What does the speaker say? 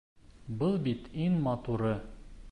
Был бит иң матуры!